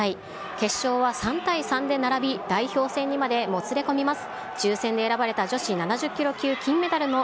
決勝は３対３で並び、代表戦にまでもつれ込みます。